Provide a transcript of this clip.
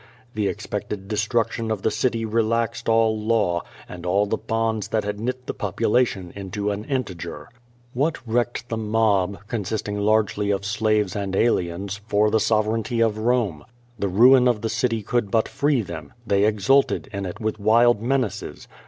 The expected destruction of the city relaxed all law, and all the bonds that had knit the population into an integer. What recked the mob, consisting largely of slaves and aliens, for the sovereignty of Rome? The ruin of the city could but free them, they exulted in it with wild menaces.